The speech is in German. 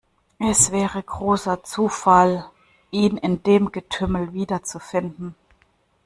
Es wäre großer Zufall, ihn in dem Getümmel wiederzufinden.